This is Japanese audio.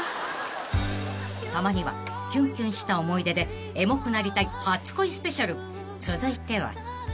［たまにはキュンキュンした思い出でエモくなりたい初恋ＳＰ続いては］